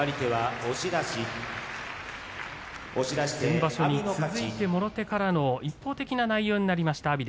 先場所に続いてもろ手からの一方的な内容になりました